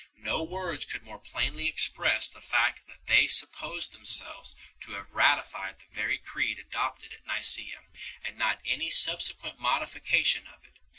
No words could more plainly express the fact that they supposed themselves to have ratified the very Creed adopted at Nica?a, and not any subsequent modification of it.